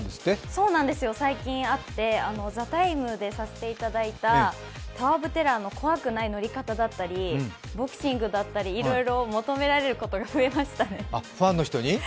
そうなんですよ、最近あって「ＴＨＥＴＩＭＥ，」でさせていただいた、タワー・オブ・テラーの怖くない乗り方だったり、ボクシングについてなどいろいろ求められることが増えましたね。